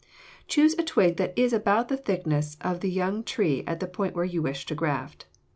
Choose a twig that is about the thickness of the young tree at the point where you wish to graft.